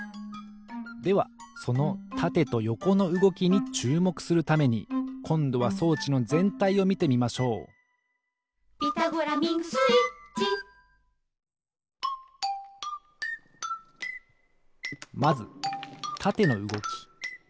ではそのたてとよこのうごきにちゅうもくするためにこんどは装置のぜんたいをみてみましょう「ピタゴラミングスイッチ」まずたてのうごき。